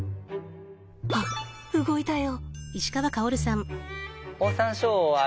あっ動いたよ。